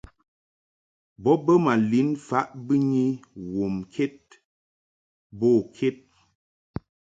Bo bə ma lin faʼ bɨnyi womked bo ked.